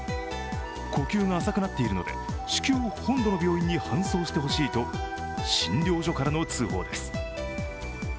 呼吸が浅くなっているので至急、本土の病院に搬送してほしいと診療所からの通報です。